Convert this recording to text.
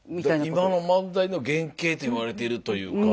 今の漫才の原型と言われてるというか。